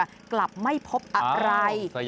แหละก็จะไม่พบอะไร